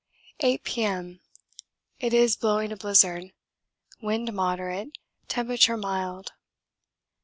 8 P.M. It is blowing a blizzard wind moderate temperature mild.